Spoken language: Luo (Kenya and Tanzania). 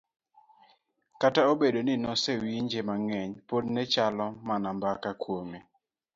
kata obedo ni nosewinje mang'eny, pod ne ochalo mana mbaka kuome.